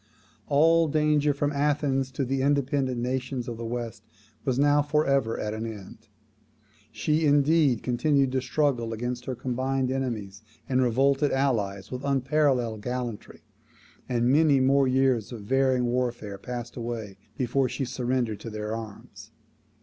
All danger from Athens to the independent nations of the West was now for ever at an end. She, indeed, continued to struggle against her combined enemies and revolted allies with unparalleled gallantry; and many more years of varying warfare passed away before she surrendered to their arms.